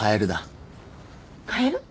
カエル？